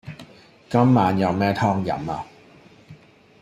今晚有咩湯飲呀